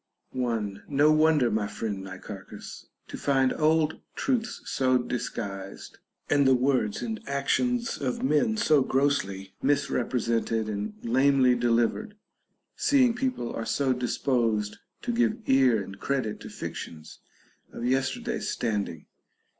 1. No wonder, my friend Nicarehus, to find old truths so disguised, and the words and actions of men so grossly misrepresented and lamely delivered, seeing people are so disposed to give ear and credit to "fictions of yesterday's standing.